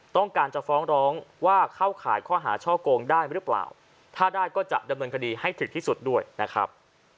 ต้องการจะฟ้องร้องว่าเข้าข่ายข้อหาช่อโกงได้หรือเปล่าถ้าได้ก็จะดำเนินคดีให้ถึงที่สุดด้วยนะครับ